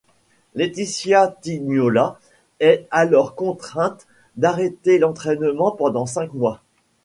Laëtitia Tignola est alors contrainte d'arrêter l'entraînement pendant cinq mois.